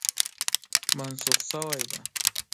منسوخ شوی دی.